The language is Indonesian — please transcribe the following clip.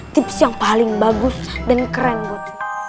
tips yang paling bagus dan keren bud